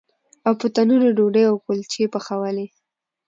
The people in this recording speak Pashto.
او په تنور یې ډوډۍ او کلچې پخولې.